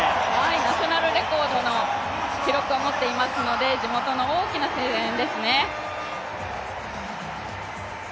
ナショナルレコードの記録を持っていますので、地元の大きな声援ですね。